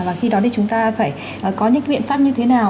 và khi đó thì chúng ta phải có những biện pháp như thế nào